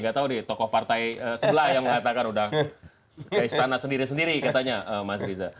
gak tau nih tokoh partai sebelah yang mengatakan udah ke istana sendiri sendiri katanya mas riza